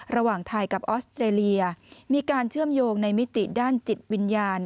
ระหว่างไทยกับออสเตรเลียมีการเชื่อมโยงในมิติด้านจิตวิญญาณ